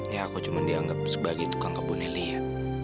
ya aku cuma dianggap sebagai tukang kebunnya li ya